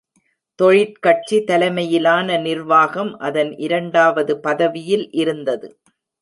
தொழிற்கட்சி தலைமையிலான நிர்வாகம் அதன் இரண்டாவது பதவியில் இருந்தது.